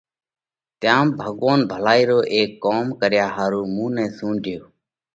تيام ڀڳوونَ ڀلائِي رو اي ڪوم ڪريا ۿارُو مُون نئہ سُونڍيوھ۔